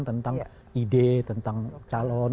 tentang ide tentang calon